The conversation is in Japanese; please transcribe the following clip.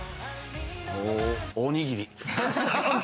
おにぎり。